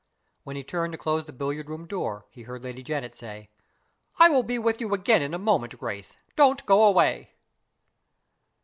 When he turned to close the billiard room door, he heard Lady Janet say, "I will be with you again in a moment, Grace; don't go away."